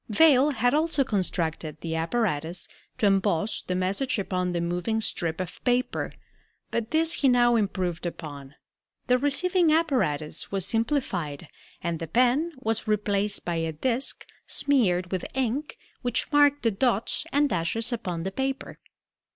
Vail had also constructed the apparatus to emboss the message upon the moving strip of paper, but this he now improved upon. The receiving apparatus was simplified and the pen was replaced by a disk smeared with ink which marked the dots and dashes upon the paper.